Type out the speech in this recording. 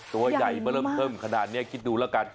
ตัวใหญ่มาเริ่มเทิมขนาดนี้คิดดูแล้วกัน